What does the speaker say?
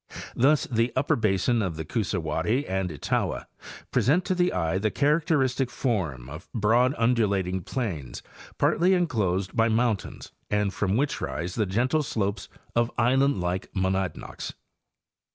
Thus the upper basin of the Coosawat tee and Etowah present to the eye the characteristic form of broad undulating plains partly enclosed by mountains and from which rise the gentle slopes of island like monadnocks.